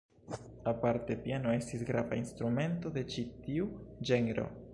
Aparte piano estis grava instrumento de ĉi tiu ĝenro.